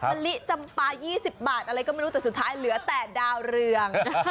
มะลิจำปลา๒๐บาทอะไรก็ไม่รู้แต่สุดท้ายเหลือแต่ดาวเรือง